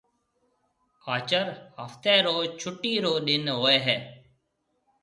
آچر هفتي رو ڇُٽِي رو ڏن هوئي هيَ۔